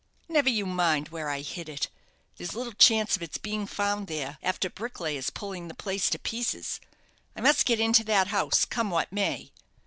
"Never you mind where I hid it. There's little chance of its being found there, after bricklayers pulling the place to pieces. I must get into that house, come what may."